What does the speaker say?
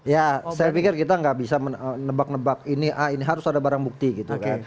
ya saya pikir kita nggak bisa menebak nebak ini a ini harus ada barang bukti gitu kan